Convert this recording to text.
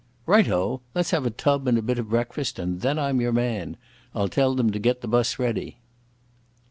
"Right o! Let's have a tub and a bit of breakfast, and then I'm your man. I'll tell them to get the bus ready."